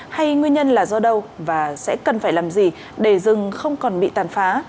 hay nguyên nhân là do đâu và sẽ cần phải làm gì để rừng không còn bị tàn phá